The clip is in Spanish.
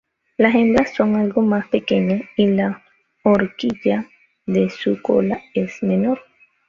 Las hembras son algo más pequeñas y la horquilla de su cola es menor.